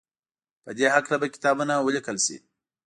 په دې هکله به کتابونه وليکل شي.